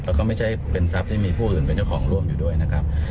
แล้วก็ไม่ใช่เป็นทรัพย์ที่มีผู้อื่นเป็นเจ้าของร่วมอยู่ด้วยนะครับ